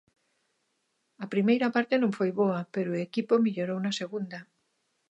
A primeira parte non foi boa pero o equipo mellorou na segunda.